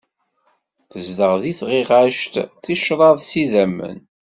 Tezdeg s tɣiɣact, ticṛad s idammen.